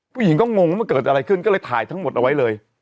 ผู้หญิงก็งงว่ามันเกิดอะไรขึ้นก็เลยถ่ายทั้งหมดเอาไว้เลย